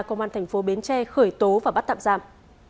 công an thành phố bến tre khởi tố và bắt tạm giam